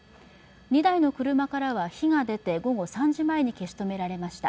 ２台の車から火が出て午後３時前に消し止められました。